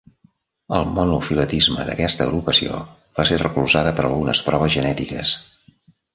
El monofiletisme d'aquesta agrupació va ser recolzada per algunes proves genètiques.